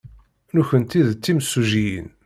Nekkenti d timsujjiyin.